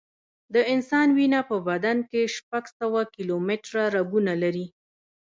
د انسان وینه په بدن کې شپږ سوه کیلومټره رګونه لري.